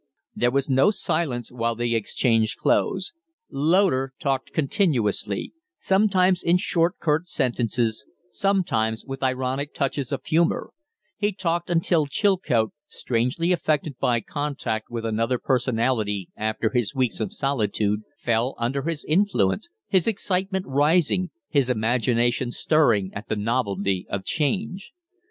There was no silence while they exchanged clothes. Loder talked continuously, sometimes in short, curt sentences, sometimes with ironic touches of humor; he talked until Chilcote, strangely affected by contact with another personality after his weeks of solitude, fell under his influence his excitement rising, his imagination stirring at the novelty of change.